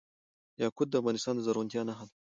یاقوت د افغانستان د زرغونتیا نښه ده.